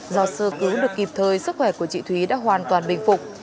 do sơ cứu được kịp thời sức khỏe của chị thúy đã hoàn toàn bình phục